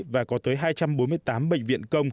và có tới hai trăm bốn mươi tám bệnh viện công